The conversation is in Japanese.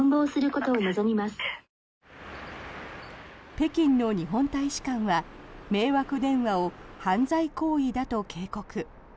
北京の日本大使館は迷惑電話を犯罪行為だと警告。